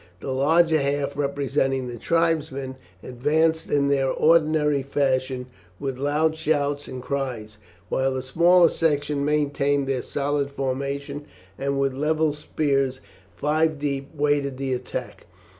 The larger half, representing the tribesmen, advanced in their ordinary fashion with loud shouts and cries, while the smaller section maintained their solid formation, and with levelled spears, five deep, waited the attack.